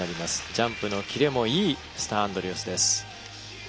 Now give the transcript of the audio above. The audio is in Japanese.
ジャンプのキレもいいスター・アンドリュースです。